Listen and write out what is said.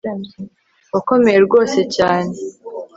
wakomeye rwose cyane